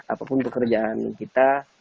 apapun pekerjaan kita